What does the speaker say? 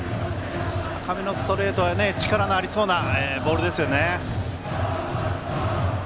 高めのストレートは力のありそうなボールですよね。